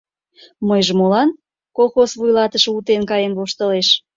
— Мыйже молан? — колхоз вуйлатыше утен каен воштылеш.